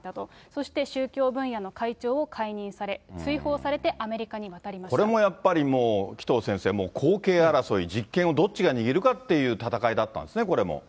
そして宗教分野の会長を解任され、これもやっぱりもう、紀藤先生、後継争い、実験をどっちが握るかっていう戦いだったんですね、これも。